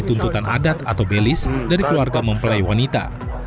tuntutan adat atau belis dari keluarga mempelai wanita